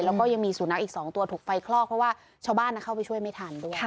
แล้วก็ยังมีสุนัขอีก๒ตัวถูกไฟคลอกเพราะว่าชาวบ้านเข้าไปช่วยไม่ทันด้วย